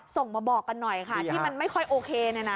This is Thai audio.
ส่งมาบอกกันหน่อยค่ะที่มันไม่ค่อยโอเคเนี่ยนะ